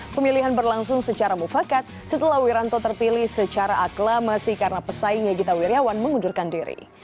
pemilihan berlangsung secara mufakat setelah wiranto terpilih secara aklamasi karena pesaingnya gita wirjawan mengundurkan diri